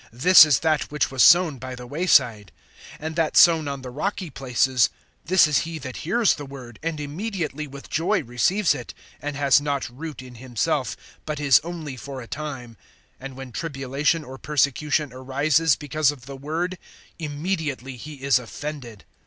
This is that which was sown by the way side. (20)And that sown on the rocky places, this is he that hears the word, and immediately with joy receives it; (21)and has not root in himself, but is only for a time; and when tribulation or persecution arises because of the word, immediately he is offended.